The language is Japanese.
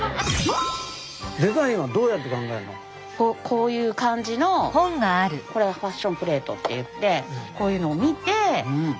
こういう感じのこれはファッションプレートっていってこういうのを見てああ